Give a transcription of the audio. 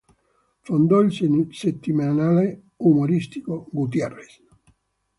Fondò il settimanale umoristico "Gutiérrez".